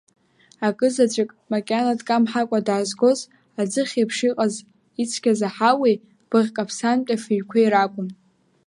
Акызаҵәык макьана дкамҳакәа даазгоз, аӡыхь еиԥш ицқьаз аҳауеи быӷькаԥсантәи афыҩқәеи ракәын.